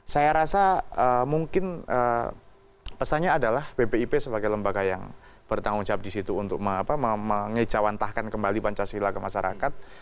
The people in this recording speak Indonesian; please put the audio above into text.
saya rasa mungkin pesannya adalah bpip sebagai lembaga yang bertanggung jawab di situ untuk mengejawantahkan kembali pancasila ke masyarakat